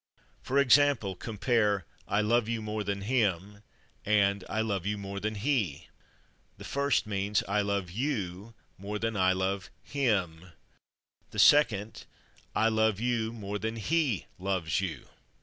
For example, compare "I love you more than /him/" and "I love you more than /he/." The first means "I love you more than (I love) /him/"; the second, "I love you more than /he/ (loves you)."